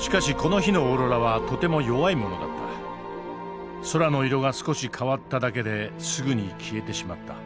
空の色が少し変わっただけですぐに消えてしまった。